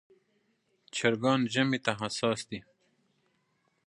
چرګان ژمي ته حساس دي.